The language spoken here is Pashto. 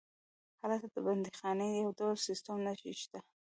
هلته د بندیخانې د یو ډول سیسټم نښې شته.